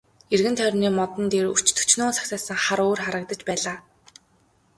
Эргэн тойрны модод дээр өч төчнөөн сагсайсан хар үүр харагдаж байлаа.